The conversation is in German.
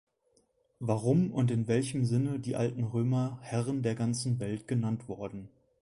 Warum und in welchem Sinne die alten Römer Herren der ganzen Welt genannt worden.